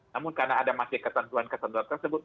namun karena ada masih ketentuan ketentuan tersebut